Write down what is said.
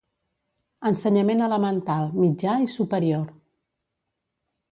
Ensenyament elemental, mitjà i superior.